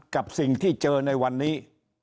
กับสิ่งที่เจอในวันนี้